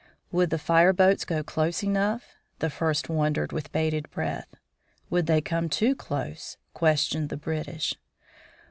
Would the fireboats go close enough? the first wondered with bated breath. Would they come too close? questioned the British.